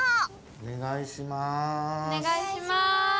⁉おねがいします。